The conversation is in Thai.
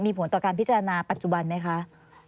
มีผลต่อการพิจารณาปัจจุบันไหมคะ